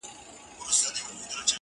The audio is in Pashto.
دغه د کرکي او نفرت کليمه!!